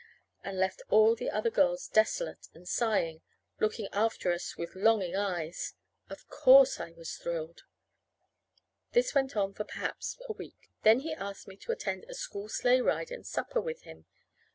_ and left all the other girls desolate and sighing, looking after us with longing eyes. Of course, I was thrilled! This went on for perhaps a week. Then he asked me to attend a school sleigh ride and supper with him.